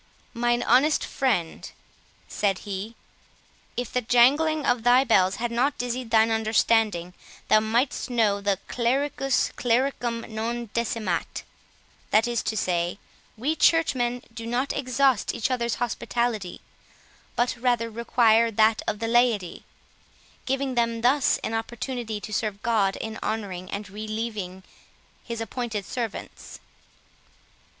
"Mine honest friend," said he, "if the jangling of thy bells had not dizzied thine understanding, thou mightst know "Clericus clericum non decimat"; that is to say, we churchmen do not exhaust each other's hospitality, but rather require that of the laity, giving them thus an opportunity to serve God in honouring and relieving his appointed servants."